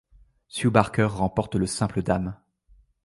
Sue Barker remporte le simple dames.